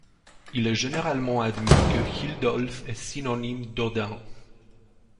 Il est généralement admis que Hildólf est synonyme d'Odin.